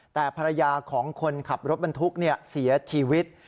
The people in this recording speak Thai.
แต่ภรรยาของคนขับรถบรรทุกเสียชีวิต